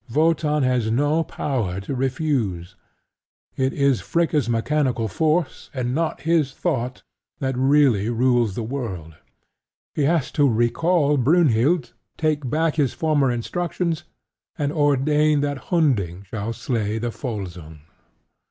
Wotan has no power to refuse: it is Fricka's mechanical force, and not his thought, that really rules the world. He has to recall Brynhild; take back his former instructions; and ordain that Hunding shall slay the Volsung.